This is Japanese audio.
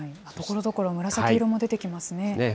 ところどころ紫色も出てきますね。